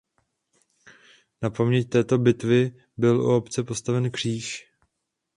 Na paměť této bitvy byl u obce postaven kříž.